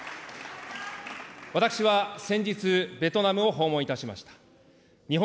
私は先日、ベトナムを訪問いたしました。